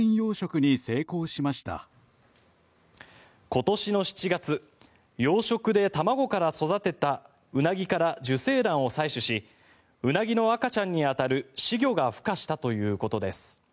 今年の７月養殖で卵から育てたウナギから受精卵を採取しウナギの赤ちゃんに当たる仔魚がふ化したということです。